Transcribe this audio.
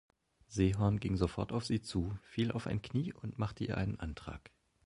Sehorn ging sofort auf sie zu, fiel auf ein Knie und machte ihr einen Antrag.